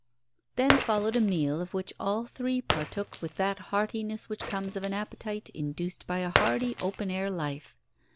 Then followed a meal of which all three partook with that heartiness which comes of an appetite induced by a hardy open air life.